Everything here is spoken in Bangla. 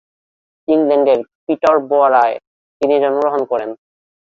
ইংল্যান্ডের পিটারবরায় তিনি জন্মগ্রহণ করেন।